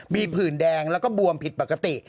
มีผื่นแดงแล้วก็บวมผิดปกติ